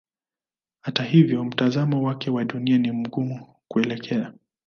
Hata hivyo mtazamo wake wa Dunia ni mgumu kuelezea.